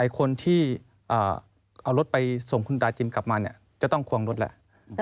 คนที่เอารถไปส่งคุณตาจินกลับมาจะต้องควงรถแล้ว